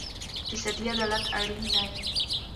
اقتصادي عدالت اړین دی.